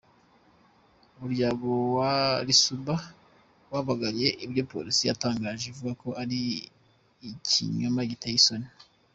Umuryango wa Lisuba wamaganye ibyo Polisi yatangaje uvuga ko ari ‘ikinyoma giteye isoni’.